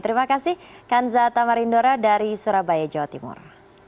terima kasih kanza tamarindora dari surabaya jawa timur